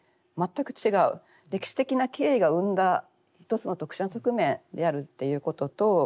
歴史的な経緯が生んだ一つの特殊な側面であるっていうことと。